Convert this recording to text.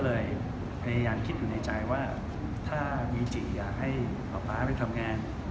เลยพยายามคิดอยู่ในใจว่าถ้ามีจริงอยากให้ป๊าป๊าไปทำงาน